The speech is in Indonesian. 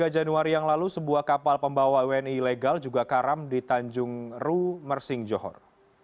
tiga januari yang lalu sebuah kapal pembawa wni ilegal juga karam di tanjung ru mersing johor